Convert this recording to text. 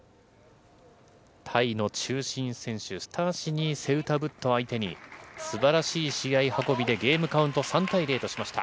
タイの中心選手、スタシニ・セウタブット相手に、すばらしい試合運びでゲームカウント３対０としました。